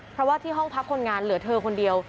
เพราะว่าที่ห้องพักคนงานเหลือเธอคนเดียว